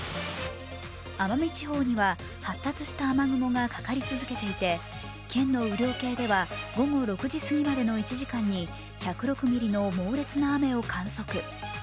奄美地方には発達した雨雲がかかり続けていて県の雨量計では、午後６時すぎまでの１時間に、１０６ミリの猛烈な雨を観測。